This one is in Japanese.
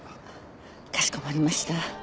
かしこまりました。